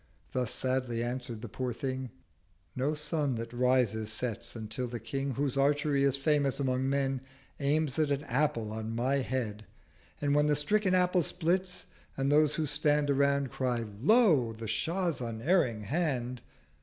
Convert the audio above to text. thus sadly answer'd the poor Thing— 'No Sun that rises sets until the King, Whose Archery is famous among Men, Aims at an Apple on my Head. and when The stricken Apple splits. and those who stand 430 Around cry "Lo! the Shah's unerring Hand!"